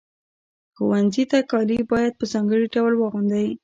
ښوونځي ته کالي باید په ځانګړي ډول واغوندئ.